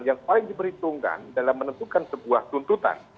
yang paling diperhitungkan dalam menentukan sebuah tuntutan